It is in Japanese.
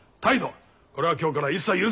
これは今日から一切許さん。